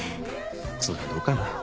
それはどうかな？